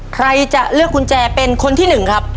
ใครจะเลือกกุญแจเป็นคนที่๑ครับ